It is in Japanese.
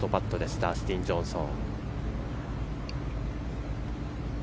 ダスティン・ジョンソン。